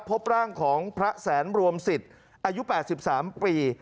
พบร่างของพระแสนรวมสิตอายุแปดสิบสามปี